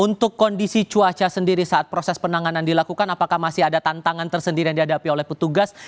untuk kondisi cuaca sendiri saat proses penanganan dilakukan apakah masih ada tantangan tersendiri yang dihadapi oleh petugas